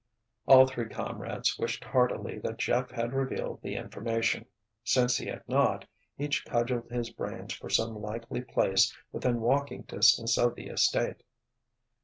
All three comrades wished heartily that Jeff had revealed the information. Since he had not, each cudgeled his brains for some likely place within walking distance of the estate.